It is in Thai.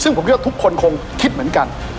ซึ่งผมคิดว่าทุกคนคงคิดเหมือนกัน